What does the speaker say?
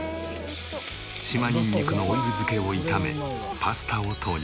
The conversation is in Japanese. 島ニンニクのオイル漬けを炒めパスタを投入。